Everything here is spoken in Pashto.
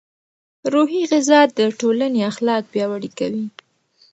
روحي غذا د ټولنې اخلاق پیاوړي کوي.